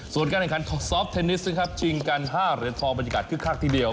ส่วนการแข่งขันซอฟท์เทนนิสครับจริงกัน๕เหลือทองบรรยากาศครักดิ์ที่เดียว